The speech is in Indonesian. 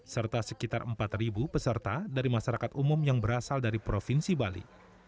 serta sekitar empat peserta dari masyarakat umum yang berasal dari provinsi bali